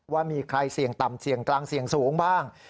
ว่ามีใครเสี่ยงต่ำเสี่ยงกลางเสี่ยงสูงบ้าง